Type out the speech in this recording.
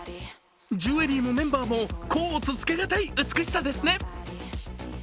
ジュエリーもメンバーも甲乙つけがたい美しさですね。